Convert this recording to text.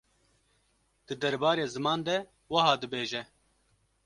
di derbarê ziman de wiha dibêje.